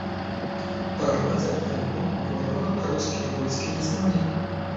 Прарваць абарону ворага рускія войскі не змаглі.